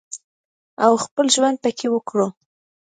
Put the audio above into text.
او خپل ژوند پکې وکړو